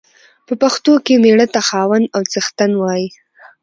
په پښتو کې مېړه ته خاوند او څښتن وايي.